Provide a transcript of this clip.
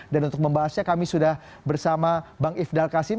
dan untuk membahasnya kami sudah bersama bang ifdal kasim